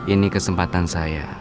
ini kesempatan saya